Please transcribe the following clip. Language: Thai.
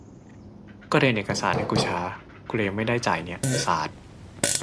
ก็เดินเอกสารให้กุช้า กุเลยยังไม่ได้จ่ายเนี่ย สาด